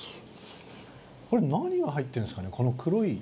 これ何が入ってんですかね？